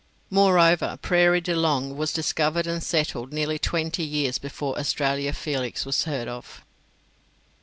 Moreover, Prairie de Long was discovered and settled nearly twenty years before Australia Felix was heard of.